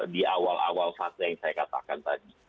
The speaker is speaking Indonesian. di awal awal fase yang saya katakan tadi